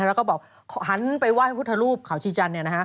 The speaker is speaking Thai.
แล้วก็หันไปว่าให้พุทธรูปข่าวชีจันทร์